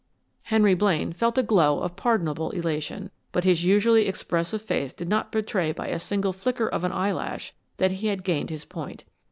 Henry Blaine felt a glow of pardonable elation, but his usually expressive face did not betray by a single flicker of an eyelash that he had gained his point.